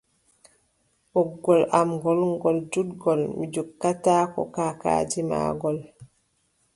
Ɓoggol am ngool, ngol juutngol, Mi jokkataako kaakaadi maagol.